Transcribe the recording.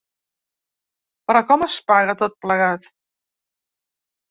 Però com es paga tot plegat?